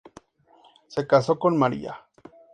Se casó con María.